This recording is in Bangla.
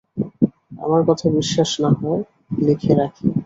আমার কথা বিশ্বাস না-হয়, লিখে রাখি।